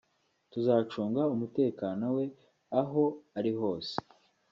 tuzacunga umutekano we aho ari hose